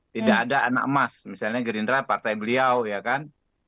tidak ada anak emas misalnya gerindra partai beliau ya kan